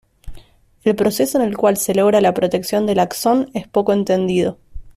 El proceso en el cual se logra la protección del axón es poco entendido.